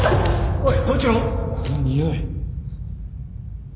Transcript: おい。